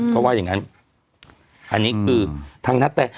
เขาว่าอย่างงั้นอันนี้คือทางนาแต